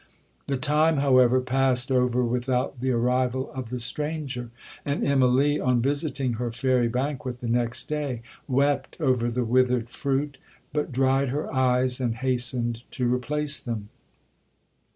The time, however, passed over without the arrival of the stranger, and Immalee, on visiting her fairy banquet the next day, wept over the withered fruit, but dried her eyes, and hastened to replace them.